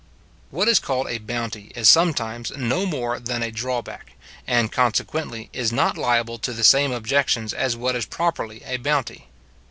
What is called a bounty, is sometimes no more than a drawback, and, consequently, is not liable to the same objections as what is properly a bounty.